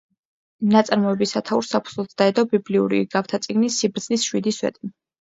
ნაწარმოების სათაურს საფუძვლად დაედო ბიბლიური „იგავთა წიგნის“ სიბრძნის შვიდი სვეტი.